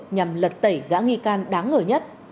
nhằm lật tẩy gã nghi can đáng ngờ nhất